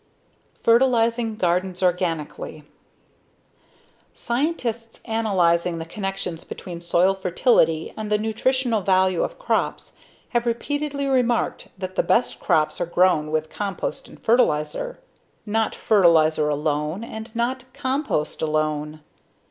Fertilizing Gardens Organically Scientists analyzing the connections between soil fertility and the nutritional value of crops have repeatedly remarked that the best crops are grown with compost and fertilizer. Not fertilizer alone and not compost alone.